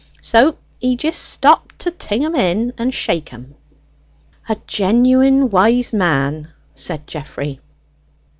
So he jist stopped to ting to 'em and shake 'em." "A genuine wise man," said Geoffrey.